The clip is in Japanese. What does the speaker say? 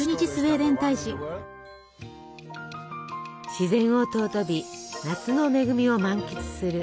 自然を尊び夏の恵みを満喫する。